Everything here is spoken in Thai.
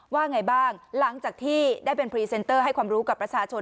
ว่าไงบ้างหลังจากที่ได้เป็นพรีเซนเตอร์ให้ความรู้กับประชาชน